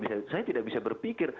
saya tidak bisa berpikir